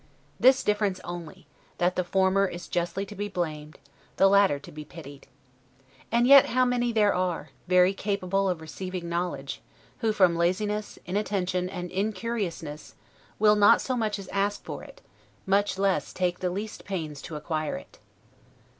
This difference only, that the former is justly to be blamed, the latter to be pitied. And yet how many there are, very capable of receiving knowledge, who from laziness, inattention, and incuriousness, will not so much as ask for it, much less take the least pains to acquire it!